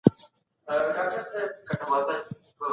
اوږدمهاله فشار د دفاعي سیستم کمزوري کوي.